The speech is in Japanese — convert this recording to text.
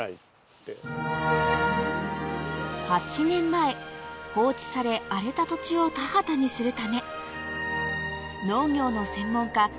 ８年前放置され荒れた土地を田畑にするため農業の専門家